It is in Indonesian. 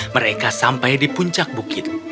mereka sampai di puncak bukit